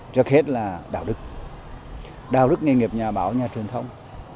trước hết là đạo đức đạo đức nghề nghiệp nhà báo nhà truyền thông